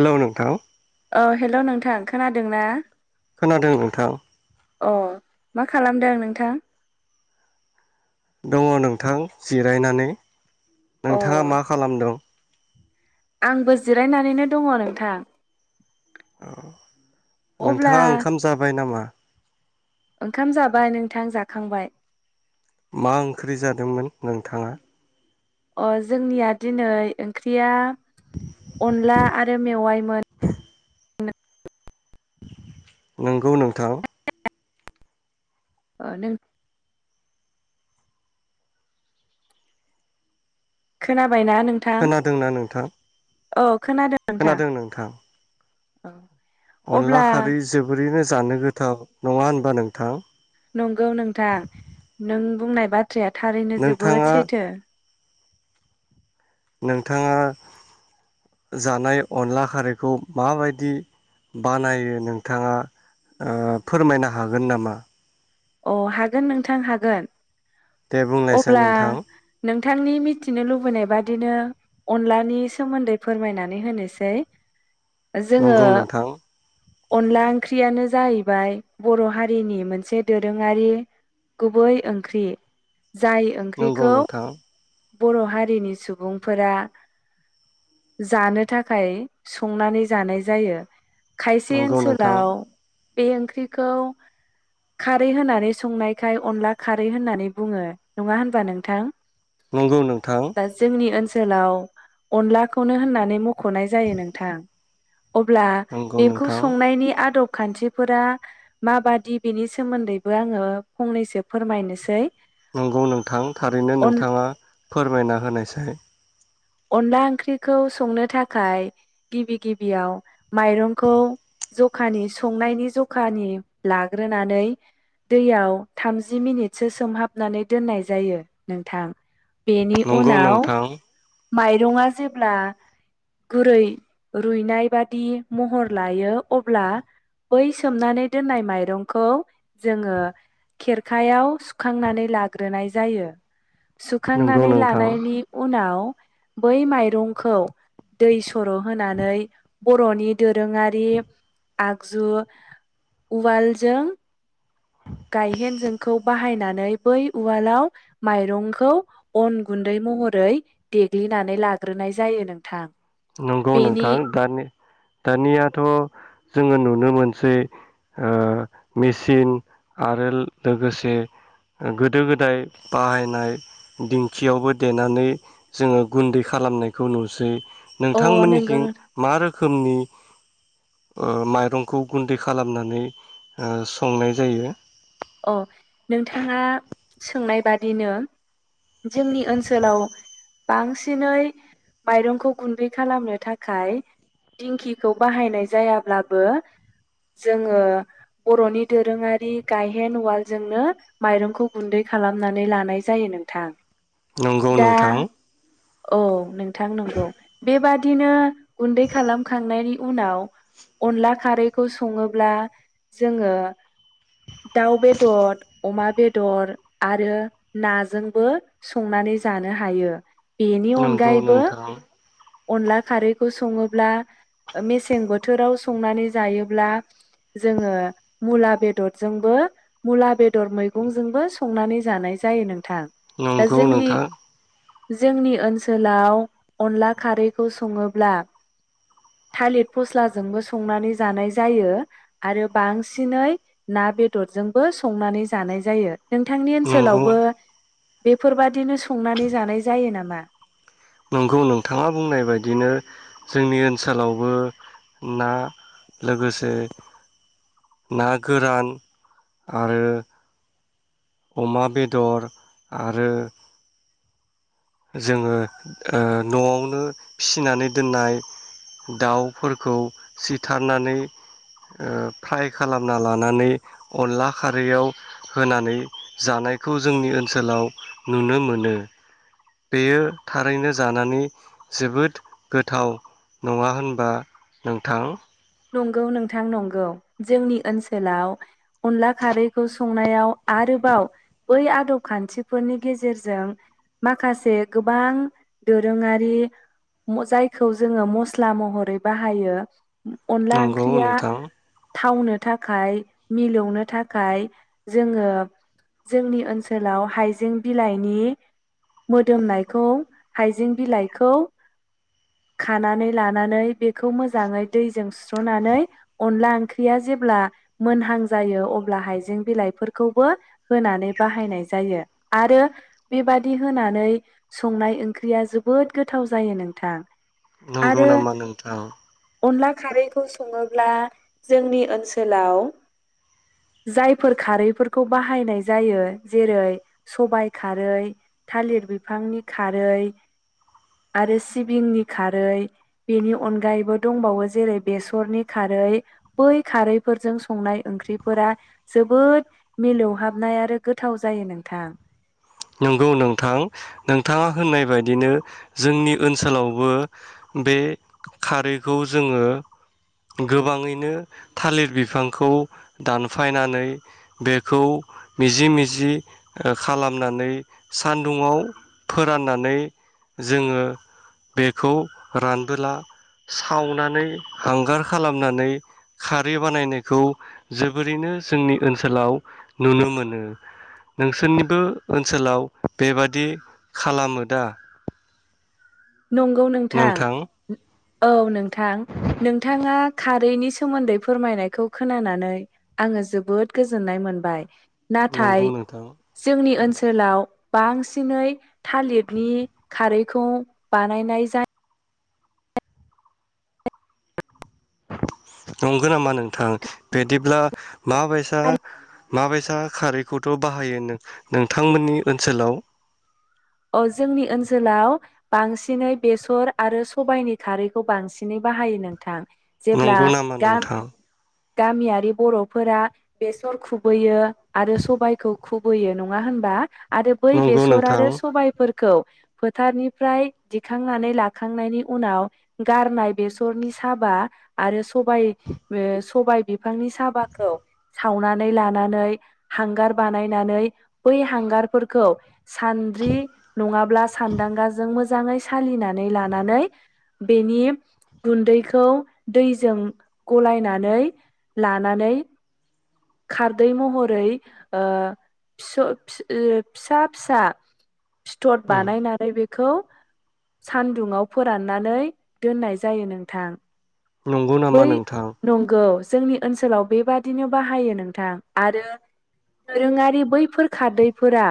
हेल' नोंथां? हेल' नोंथां खोनादों ना? खोनादों नोंथां। मा खालामदों नोंथां? दङ नोंथां जिरायनानै अ नोंथाङा मा खालामदों? आंबो जिरायनानैनो दङ नोंथां। औ अब्ला नोंथाङा ओंखाम जाबाय नामा? ओंखाम जाबाय नोंथां जाखांबाय। मा ओंख्रि जादोंमोन नोंथाङा? अ जोंनिया दिनै ओंख्रिया अनला आरो मेवायमोन। नो ओ नंगौ नोंथां। अ नों खोनाब खोनादोंना नोंथां? औ खोनादों नोंथां। औ अनला अब्ला खारै जोबोरैनो जानो गोथाव नङा होन बा नोंथां। नंगौ नोंथां नों बुंनाय बा थ्राया थारैनो जोबोद नोंथाङा सैथो। नोंथाङा जानाय अनला खारैखौ माबायदि बानायो नोंथाङा ओ फोरमायनो हागोन नामा? अ हागोन नोंथां हागोन। दे बुंनायसाय अब्ला नोंथां नोंथांनि मिथिनो लुबैनाय बादिनो अनलानि सोमोन्दै फोरमायनानै होनोसै। जोङो नंगौ नोंथां अनला ओंख्रियानो जाहैबाय बर' हारिनि मोनसे दोरोङारि गुबै ओंख्रि। जाय नंगौ ओंख्रिखौ नोंथां बर' हारिनि सुबुंफोरा जानो थाखाय संनानै जानाय जायो खायसे नंगौ नोंथां ओनसोलाव बे ओंख्रिखौ खारै होनानै संनायखाय अनला खारै होननानै बुङो नङा होनबा नोंथां। नंगौ नोंथां दा जोंनि ओनसोलाव अनलाखौनो होननानै मख'नाय जायो नोंथां। अब्ला नंगौ बेखौ नोंथां संनायनि आदब खान्थिफोरा माबादि बेनि सोमोन्दैबो आङो फंनैसो फोरमायनोसै। नंगौ नोंथां थारैनो अन नोंथाङा फोरमायना होनायसाय। अनला ओंख्रिखौ संनो थाखाय गिबि-गिबियाव माइरंखौ जखानि संनायनि जखानि लाग्रोनानै दैयाव थामजि मिनिटसो सोमहाबनानै दोननाय जायो नोंथां। बेनि नंगौ उनाव नोंथां माइरङा जेब्ला गुरै रुइनाय बादि महर लायो अब्ला बै सोमनानै दोननाय माइरंखौ जोङो खेरखायाव सुखांनानै लाग्रोनाय जायो। नंगौ सुखांनानै नोंथां लानायनि उनाव बै माइरंखौ दै स र' होनानै बर'नि दोरोङारि आगजु उवालजों गायहेन जोंखौ बाहायनानै बै उवालाव माइरंखौ अन गुन्दै महरै देग्लिनानै लाग्रोनाय जायो नोंथां। नंगौ बेनि नोंथां दानि दानियाथ' जोङो नुनो मोनसै ओ मेसिन आरो लोगोसे ओ गोदो-गोदाय बाहायनाय दिंखियावबो देनानै जोङो गुन्दै खालामनायखौ नुसै अ नोंगौ नों नोंथांमोननिसथिं मा रोखो मनि ओ माइरंखौ गुन्दै खालामनानै ओ संनाय जायो? अ नोंथाङा सोंनाय बादिनो जोंनि ओनसोलाव बांसिनै माइरंखौ गुन्दै खालामनो थाखाय दिंखिखौ बाहायनाय जायाब्लाबो जोङो बरनि दोरोङारि गाय हेन्द उवाल जोंनो माइरंखौ गुन्दै खालामनानै लानाय जायो नोंथां। नंगौ दा नोंथां। औ नों थां नंगौ बेबा दिनो गुन्दै खालामखांनायनि उनाव अनला खारैखौ सङोब्ला जोङो दाउ बेदर अमा बेदर आरो नाजोंबो संनानै जानो हायो। बेनि नंगौ अनगायैबो नोंथां अनला खारैखौ सङोब्ला ओ मेसें बोथोराव संनानै जायोब्ला जोङो मुला बेदर जोंबो मुला बेदर मैगंजोंबो संनानै जानाय जायो नों नंगौ नोंथां। जोंनि ओनसोलाव अनला खारैखौ सङोब्ला थालिर फस्लाजोंबो संनानै जानाय जायो आरो बांसिनै ना बेदरजोंबो संनानै जानाय जायो। नोंथांनि नंगौ ओनसोलावबो बेफोरबादिनो संनानै जानाय जायो नामा? नंगौ नोंथाङा बुंनाय बायदिनो जोंनि ओनसोलावबो ना लोगोसे ना गोरान आरो अमा बेदर आरो जोङो ओ नआवनो फिसिनानै दोननाय दाउफोरखौ सिथारनानै ओ फ्राय खालामना लानानै अनला खारैयाव होनानै जानायखौ जोंनि ओनसोलाव नुनो मोनो। बेयो थारैनो जानानै जोबोद गोथाव नङा होनबा नोंथां? नंगौ नोंथां नंगौ जोंनि ओनसोलाव अनला खारैखौ संनायाव आरोबाव बै आदब खान्थिफोरनि गेजेरजों माखासे गोबां दोरोङारि जायखौ जोङो मस्ला महरै बाहायो। अनला नंगौ ओंख्रिया नोंथां थावनो थाखाय मिलौनो थाखाय जोङो जोंनि ओनसोलाव हाइजें बिलाइनि मोदोमनायखौ हाइजें बिलाइखौ खानानै लानानै बेखौ मोजाङै दैजों सुस्रनानै अनला ओंख्रिया जेब्ला मोनहां जायो अब्ला हायजें बिलाइफोरखौबो होनानै बाहायनाय जायो आरो बेबादि होनानै संनाय ओंख्रिया जोबोद गोथाव जायो नोंथां। नंगौ आरो नामा नोंथां। अनला खारैखौ सङो ब्ला जोंनि ओनसोलाव जायफोर खारैफोरखौ बाहायनाय जायो जेरै सबायाइ खारै थालिर बिफांनि खारै आरो सिबिंनि खारै बेनि अनगायैबो दंबावो जेरै बेसरनि खारै बै खारैफोरजों संनाय ओंख्रिफोरा जोबोद मिलौहाबनाय आरो गोथाव जायो नोंथां। नंगौ नोंथां नोंथाङा होननाय बायदिनो जोंनि ओनसोलावबो बे खारैखौ जोङो गोबाङैनो थालिर बिफांखौ दानफायनानै बेखौ मिजि मिजि ओ खालाम नानै सानदुंआव फोराननानै जोङो बेखौ रानबोला सावनानै हांगार खालामनानै खारै बानायनायखौ जोबोरैनो जोंनि ओनसोलाव नुनो मोनो। नोंसोरनिबो ओनसोलाव बेबादि खालामो दा? नंगौ नोंथां। औ नोंथां नोंथाङा खारैनि सोमोन्दै फोरमायनायखौ खोनानानै आङो जोबोद गोजोननाय मोनबाय नाथाय नंगौ नोंथां जोंनि ओनस सोलाव बांसिनै थालिदनि खारैखौ बानायनाय जा नंगो नामा नोंथां बेदिब्ला माबायसा माबायसा खारैखौथ' बाहायो नों नोंथांमोननि ओनसोलाव अ जोंनि ओनसोलाव बांसिनै बेसर आरो सबाइनि खारैखौ बांसिनै बाहायो नों थां जेब्ला नंगौ नामा गा नोंथां गामियारि बर'फोरा बेसर खुबैयो आरो सबाइखौ खुबैयो नङा होनबा आरो बै नंगौ बेसर नोंथां आरो स सबायफोरखौ फोथार‌निफ्राय दिखांनानै लाखांनायनि उनाव गारनाय बेसरनि साबा आरो स सबाय बो सबाय बिफांनि साबाखौ सावनानै लानानै हांगार बानायनानै बै हांगारफोरखौ सा द्रि नङाब्ला सानदांगाजों मोज जाङै सालिनानै लानानै बेनि गुन्दैखौ दैजों गलायनानै लानानै खारदै महरै ओ फिस' फिस ओ फिसा फिसा फिथर उम बानायनानै बेख खौ सानदुंआव फोराननानै दोननाय जायो नोंथां नंगौ नामा बै नोंथां नंगौ जोंनि ओनसोलाव बेबादिनो बाहायो नोंथां आरो दोरोङारि बैफोर खारदैफोरा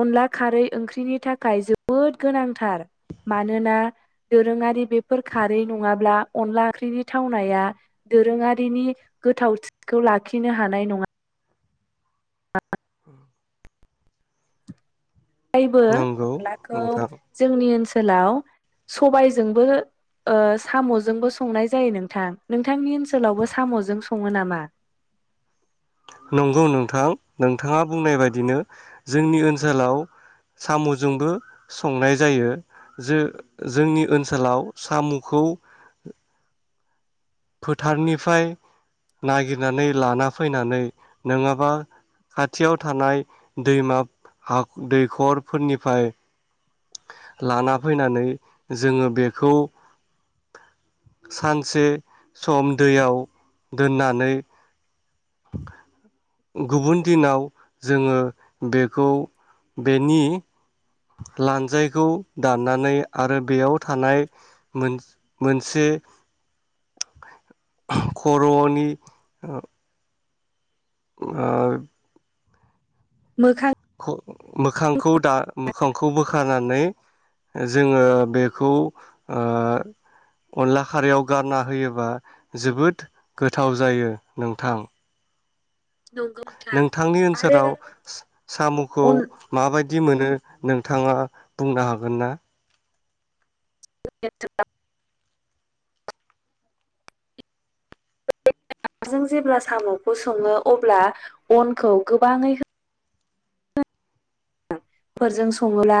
अनला खारै ओंख्रिनि थाखाय जोबोद गोनांथार मानोना दोरोङारि बेफोर खारै नङाब्ला अनला ओंख्रिनि थावनाया दोरोङारिनि गोथावथि खौ लाखिनो हानाय नङा [inaudible] आयबो नंगौ अनलाखौ नोंथां जोंनि ओनसो सोलाव सबायजोंबो ओ साम'जोंबो संनाय जायो नोंथां नोंथांनि ओनसोलावबो साम'जों सङो नामा नंगौ नोंथां नोंथाङा बुंनाय बायदिनो जोंनि ओनसोलाव साम'जोंबो संनाय जायो जे जोंनि ओनसोलाव साम'खौ फोथारनिफ्राय नागिरनानै लाना फैनानै नोङाबा खाथियाव थानाय दैमाब हाख दैखरफोरनिफाय लाना फैनानै जोङो बेखौ सानसे सम दैयाव दोननानै गुबुन दिनाव जोङो बेखौ बेनि लानजायखौ दाननानै आरो बेयाव थानाय मोनस मोनसे खर'नि ओ [unintelligible] ओ मोखां खो मोखांखौ दा मोखांखौ बोखारनानै जोङो बेखौ ओ अनला खारैयाव गारना होयोबा जोबोद गोथाव जायो नोंथां नंगौ नोंथां नोंथांनि आरो ओनसोराव स साम'खौ अन मा बाय दि मोनो नोंथाङा बुंनो हागोन ना [unintelligible] [unintelligible] जेब्ला साम'खौ सङो अब्ला अनखौ गोबाङै हो फोरजों सङोब्ला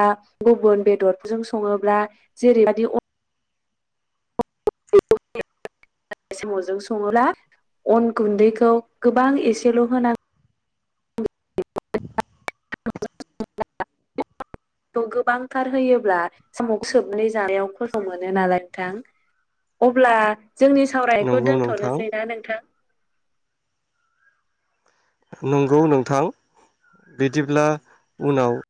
गुबुन बेदरजों सङोब्ला जेरैबादि अ [unintelligible] साम'जों सङोब्ला अन गुन्दैखौ गोबां एसेल' होनांग [unintelligible] गोबांथार होयोब्ला साम' सोबनानै जानायाव खस्थ' मोनो नालाय नोंथां अब्ला जोंनि सावरायनायखौ नंगौ नोंथां दोनथ'नोसै ना नोंथां। नंगौ नोंथां बिदिब्ला उनाव